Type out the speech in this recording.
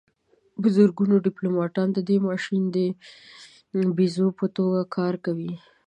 په زرګونو ډیپلوماتان د دې ماشین د پرزو په توګه کار کوي